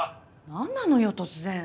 なんなのよ突然。